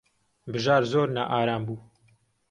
بژار زۆر نائارام بوو.